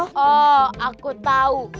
oh aku tau